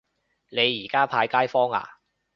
你而家派街坊呀